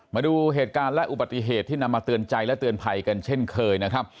มาดูเหตุการณ์และอุบัติเหตุที่นำมาเตือนใจและเตือนภัยกันเช่นเคยนะครับ